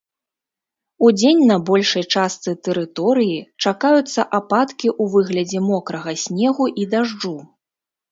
Удзень на большай частцы тэрыторыі чакаюцца ападкі ў выглядзе мокрага снегу і дажджу.